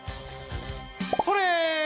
それ！